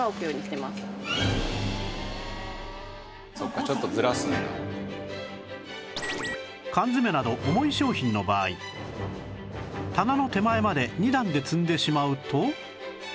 こちらは缶詰など重い商品の場合棚の手前まで２段で積んでしまうと